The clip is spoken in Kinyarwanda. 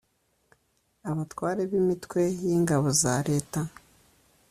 abatware b imitwe y ingabo za leta